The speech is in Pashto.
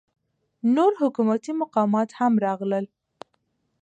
نور حکومتي مقامات هم راغلل.